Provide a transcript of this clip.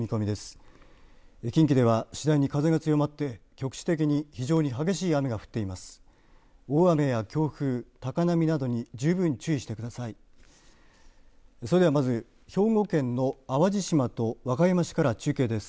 それでは、まず兵庫県の淡路島と和歌山市から中継です。